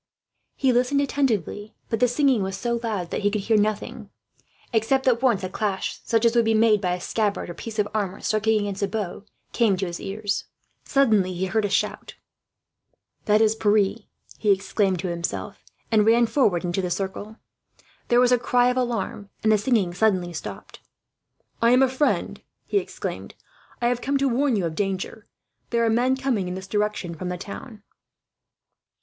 He listened attentively, but the singing was so loud that he could hear nothing; except that once a clash, such as would be made by a scabbard or piece of armour striking against a bough, came to his ears. Suddenly he heard a shout. "That is Pierre!" he exclaimed to himself, and ran forward into the circle. There was a cry of alarm, and the singing suddenly stopped. "I am a friend," he exclaimed. "I have come to warn you of danger. There are men coming in this direction from the town."